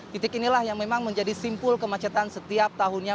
titik inilah yang memang menjadi simpul kemacetan setiap tahunnya